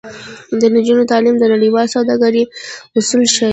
د نجونو تعلیم د نړیوال سوداګرۍ اصول ښيي.